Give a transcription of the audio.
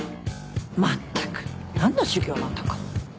まったく何の修行なんだか。